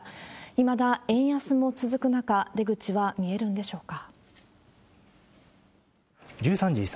いまだ円安も続く中、出口は見えるんでしょうか。